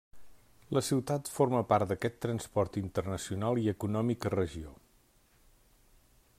La ciutat forma part d'aquest transport internacional i econòmica regió.